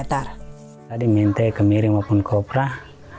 tadi minta kemiring maupun kopra